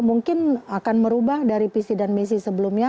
mungkin akan merubah dari visi dan misi sebelumnya